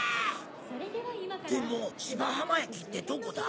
でも芝浜駅ってどこだ？